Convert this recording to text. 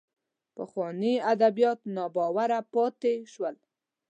پخلاینې ادبیات ناباوره پاتې شول